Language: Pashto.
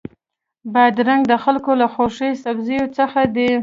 بادرنګ د خلکو له خوښو سبزیو څخه دی.